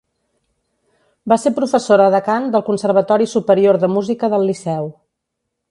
Va ser professora de cant del Conservatori Superior de Música del Liceu.